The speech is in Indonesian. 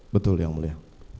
betul yang mulia